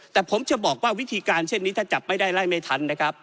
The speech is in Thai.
แต่ผมจะบอกว่าวิธีการเช่นนี้ถ้าจับไม่ได้ไล่ไม่ทันนะครับ